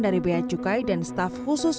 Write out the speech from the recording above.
dari bea cukai dan staf khusus